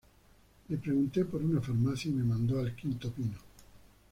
Le pregunté por una farmacia y me mandó al quinto pino